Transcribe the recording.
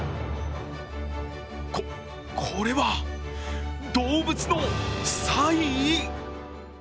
こ、これは動物のサイ？